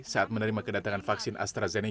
saat menerima kedatangan vaksin astrazene